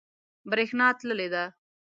بریښنا تللی ده